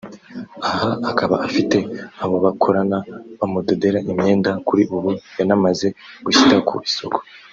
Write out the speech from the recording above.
aha akaba afite abo bakorana bamudodera imyenda kuri ubu yanamaze gushyira ku isoko